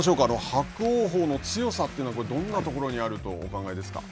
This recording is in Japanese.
伯桜鵬の強さというのはどんなところにあるとお考えですか。